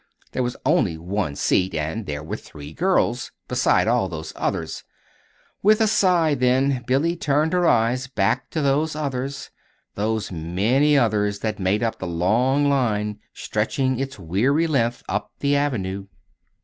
There was only one seat, and there were three girls, besides all those others. With a sigh, then, Billy turned her eyes back to those others those many others that made up the long line stretching its weary length up the Avenue.